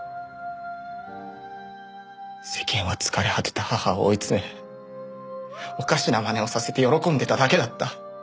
世間は疲れ果てた母を追い詰めおかしなまねをさせて喜んでただけだった。